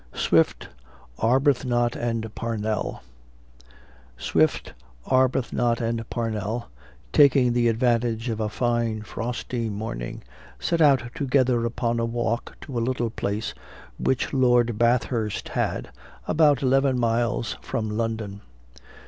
SWIFT, ARBUTHNOT, AND PARNELL. Swift, Arbuthnot, and Parnell, taking the advantage of a fine frosty morning, set out together upon a walk to a little place which Lord Bathurst had, about eleven miles from London.